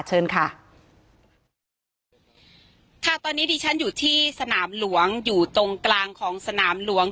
เชิญค่ะค่ะตอนนี้ดิฉันอยู่ที่สนามหลวงอยู่ตรงกลางของสนามหลวง